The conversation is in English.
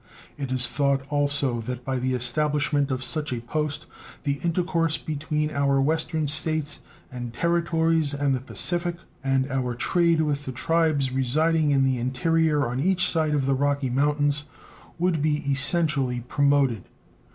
It is thought also that by the establishment of such a post the intercourse between our Western States and Territories and the Pacific and our trade with the tribes residing in the interior on each side of the Rocky Mountains would be essentially promoted.